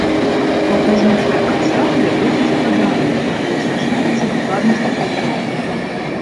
Кампазіцыя ансамбля досыць складаная, але адзначаецца дакладнасцю планіроўкі.